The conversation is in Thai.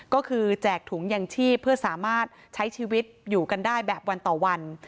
ก็คือแจกถุงยังชีพเพื่อสามารถใช้ชีวิตอยู่กันได้แบบวันต่อวัน